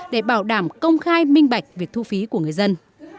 để bảo đảm công khai minh bạch việc thu phí của người dân